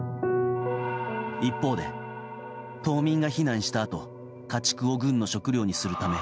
一方で島民が避難したあと家畜を軍の食料にするため。